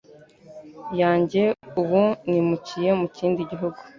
yanjye ubu nimukiye mu kindi gihugu